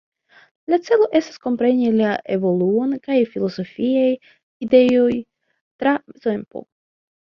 La celo estas kompreni la evoluon de filozofiaj ideoj tra tempo.